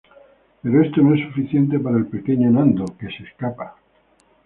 Pero esto no es suficiente para el pequeño Nando, que se escapa.